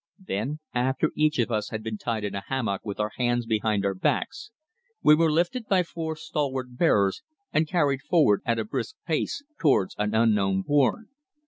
Then, after each of us had been tied in a hammock with our hands behind our backs, we were lifted by four stalwart bearers and carried forward at a brisk pace towards an unknown bourne.